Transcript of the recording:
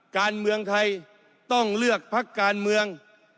การเมืองไทยต้องเลือกพักการเมือง